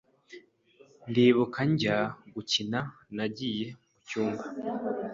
Ndibuka njya gukira nagiye mu cyumba